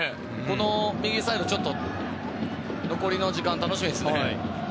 右サイド、ちょっと残りの時間楽しみですね。